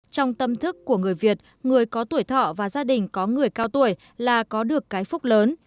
trong tâm thức của người việt người có tuổi thọ và gia đình có người cao tuổi là có được cái phúc lớn